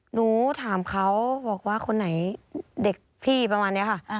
หนูถามเขาบอกว่าคนไหนเด็กพี่ประมาณนี้ค่ะ